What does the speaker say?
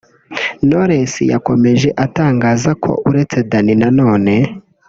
Knowless yakomeje atangaza ko uretse Dany Nanone